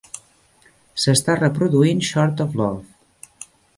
S'està reproduint Short of Love